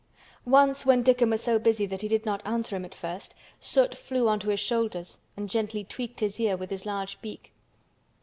Once when Dickon was so busy that he did not answer him at first, Soot flew on to his shoulders and gently tweaked his ear with his large beak.